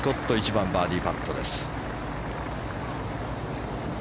１番、バーディーパット。